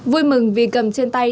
vui mừng vì cầm trên tay